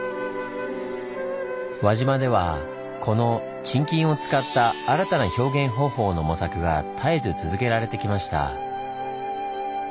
輪島ではこの沈金を使った新たな表現方法の模索が絶えず続けられてきました。